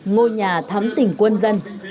ngôi nhà thắm tỉnh quân dân